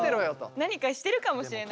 何かしてるかもしれない。